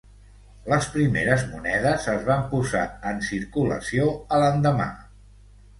Les primeres monedes es van posar en circulació a l'endemà.